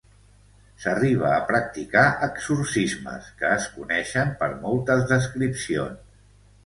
S'arriba a practicar exorcismes, que es coneixen per moltes descripcions.